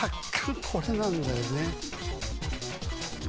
これなんだよね。